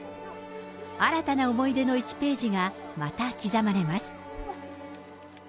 新たな思い出の１ページがまた刻まれます。